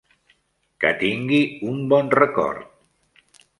Que tingui un bon record.